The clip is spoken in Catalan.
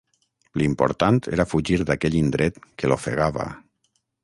L'important era fugir d'aquell indret que l'ofegava.